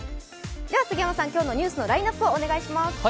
では、杉山さん、今日のニュースのラインナップお願いします。